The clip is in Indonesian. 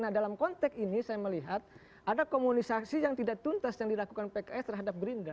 nah dalam konteks ini saya melihat ada komunikasi yang tidak tuntas yang dilakukan pks terhadap gerindra